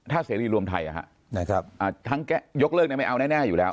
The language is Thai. ถ้าเสรีรวมไทยทั้งยกเลิกไม่เอาแน่อยู่แล้ว